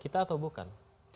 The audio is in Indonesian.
kita atau bukan